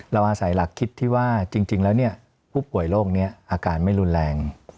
เราอาศัยหลักคิดที่ว่าจริงแล้วผู้ป่วยโรคนี้อาการไม่รุนแรง